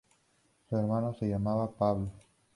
Su hermano se llamaba Pablo.